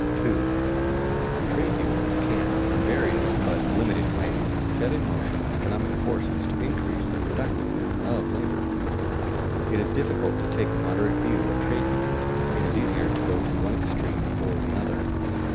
[Sidenote: Exaggerated claims made for trade unions] 2. Trade unions can, in various but limited ways, set in motion economic forces to increase the productiveness of labor. It is difficult to take a moderate view of trade unions; it is easier to go to one extreme or the other.